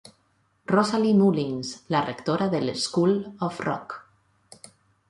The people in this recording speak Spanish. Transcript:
Rosalie Mullins, la rectora del School of Rock.